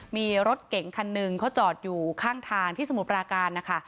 มีรถเก่งคันหนึ่งเขาจอดอยู่ข้างทางที่สมุทรปราการนะคะ